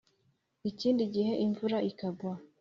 ikindi gihe imvura ikagwa.